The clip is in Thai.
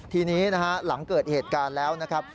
ทีนี้นะฮะหลังเกิดเหตุการณ์แล้วนะครับ